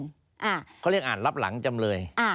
เขาเรียกอ่านรับหลังจำเลย